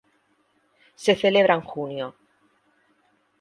Se celebra en junio.